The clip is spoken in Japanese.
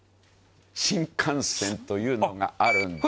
新幹線」というのがあるんです。